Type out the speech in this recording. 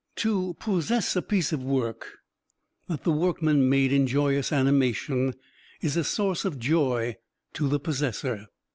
To possess a piece of work that the workman made in joyous animation is a source of joy to the possessor.